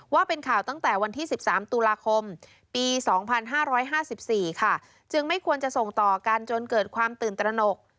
ว่าเป็นข่าวตั้งแต่วันที่๑๓ตุลาคมปี๒๕๕๔ค่ะจึงไม่ควรจะส่งต่อกันจนเกิดความตื่นตระหนก